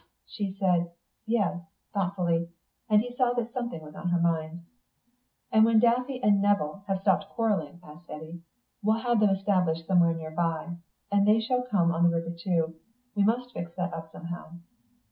She said "Yes," thoughtfully, and he saw that something was on her mind. "And when Daffy and Nevill have stopped quarrelling," added Eddy, "we'll have them established somewhere near by, and they shall come on the river too. We must fix that up somehow."